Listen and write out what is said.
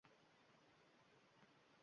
— Echki suti beramiz.